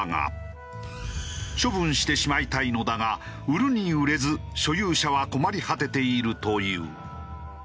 処分してしまいたいのだが売るに売れず所有者は困り果てているという。